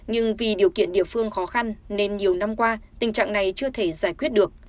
nhưng vì điều kiện địa phương khó khăn nên nhiều năm qua tình trạng này chưa thể giải quyết được